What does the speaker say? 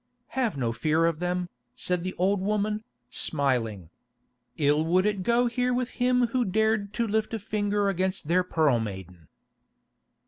"Have no fear of them," said the old woman, smiling. "Ill would it go here with him who dared to lift a finger against their Pearl Maiden."